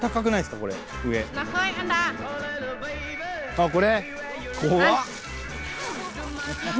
あっこれ？